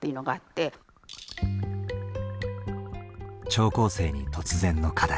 聴講生に突然の課題。